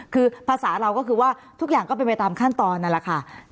คือภาษาเราก็คือว่าทุกอย่างก็เป็นไปตามขั้นตอนนั่นแหละค่ะ